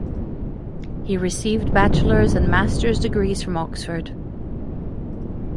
He received bachelor's and master's degrees from Oxford.